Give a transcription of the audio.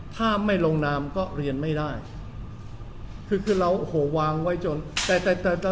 ถ้าไม่ลงนามก็เรียนไม่ได้คือคือเราโอ้โหวางไว้จนแต่แต่